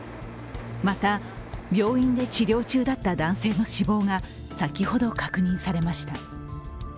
また、病院で治療中だった男性の死亡が先ほど確認されました。